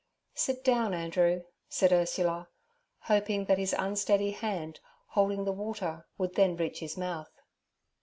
'Sit down, Andrew' said Ursula, hoping that his unsteady hand, holding the water, would then reach his mouth.